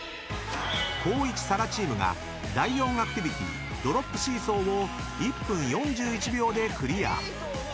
［光一・紗来チームが第４アクティビティドロップシーソーを１分４１秒でクリア］